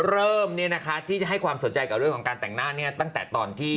เริ่มเนี่ยนะคะที่ให้ความสนใจกับเรื่องของการแต่งหน้าเนี่ยตั้งแต่ตอนที่